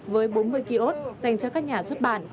với bốn mươi kiosk dành cho các nhà xuất bản